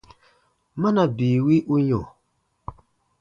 Mana bii wi u yɔ̃ ?